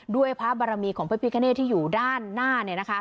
ด้วยพระบารมีของพระพิกเกณฑ์ที่อยู่ด้านหน้าเนี่ยนะคะ